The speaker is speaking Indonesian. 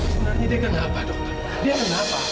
sebenarnya dia kenapa dokter